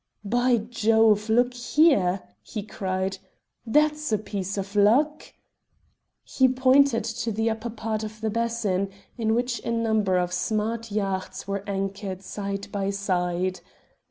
"By Jove, look there!" he cried. "That's a piece of luck." He pointed to the upper part of the basin, in which a number of smart yachts were anchored side by side.